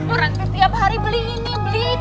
orangnya tiap hari beli ini beli itu